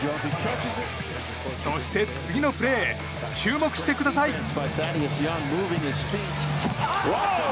そして、次のプレー注目してください。